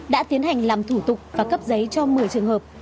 đã tiến hành làm thủ tục và cấp giấy cho một mươi trường hợp